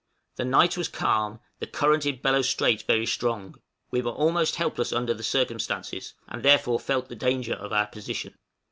The night was calm, the current in Bellot Strait very strong; we were almost helpless under the circumstances, and therefore felt the danger of our position.